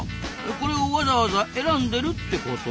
これをわざわざ選んでるってこと？